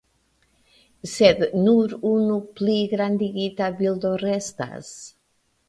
Sed nur unu pligrandigita bildo restas.